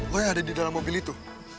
lo yang ada di dalam mobil itu